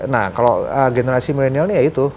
nah kalau generasi milenial ini ya itu